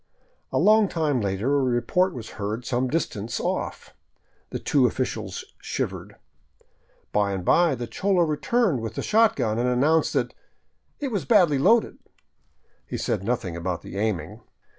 A long time later a report was heard some distance off. The two officials shivered. By and by the cholo returned with the shotgun and announced that it was badly loaded." He said nothing about the aiming.